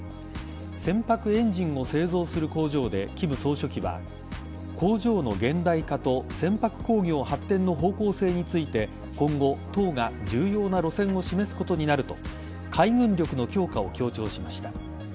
船舶エンジンを製造する工場で金総書記は工場の現代化と船舶工業発展の方向性について今後、党が重要な路線を示すことになると海軍力の強化を強調しました。